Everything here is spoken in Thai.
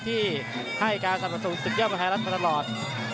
ที่ให้การสรรพสูจน์สุขย่อมรัฐไทยมาตลอด